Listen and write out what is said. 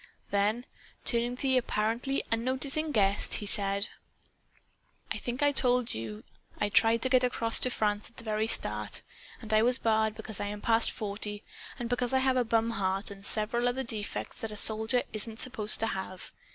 Then, turning to the apparently unnoticing guest, he said "I think I told you I tried to get across to France at the very start and I was barred because I am past forty and because I have a bum heart and several other defects that a soldier isn't supposed to have.